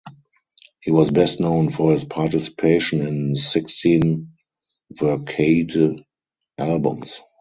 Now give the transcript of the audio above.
He was best known for his participation in sixteen Verkade albums.